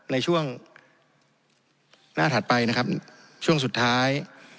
ในช่วงหน้าถัดไปนะครับช่วงสุดท้าย